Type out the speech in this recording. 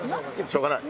しょうがないＯＫ。